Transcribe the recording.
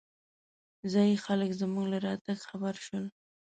ځايي خلک زمونږ له راتګ خبر شول.